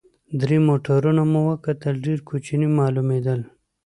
درې موټرونه مو وکتل، ډېر کوچني معلومېدل.